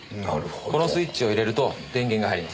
このスイッチを入れると電源が入ります。